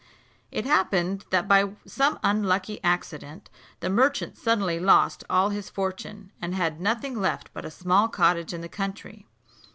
It happened that by some unlucky accident the merchant suddenly lost all his fortune, and had nothing left but a small cottage in the country.